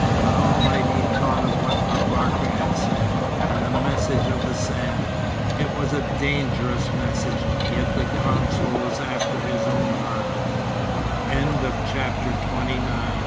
But all night he thought of what M'Barka had said, and the message of the sand. It was a dangerous message, yet the counsel was after his own heart. XXX In the m